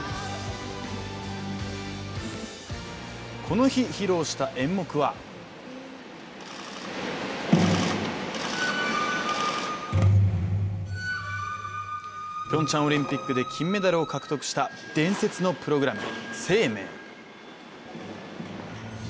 この日、披露した演目はピョンチャンオリンピックで金メダルを獲得した、伝説のプログラム「ＳＥＩＭＥＩ」。